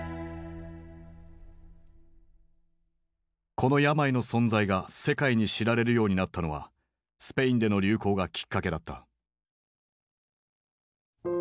この病の存在が世界に知られるようになったのはスペインでの流行がきっかけだった。